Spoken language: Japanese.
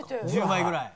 １０枚ぐらい。